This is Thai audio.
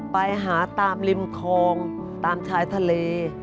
ไปหาตามริมคลองตามชายทะเล